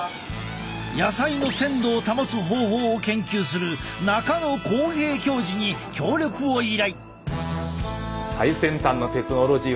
野菜の鮮度を保つ方法を研究する中野浩平教授に協力を依頼。